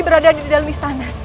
berada di dalam istana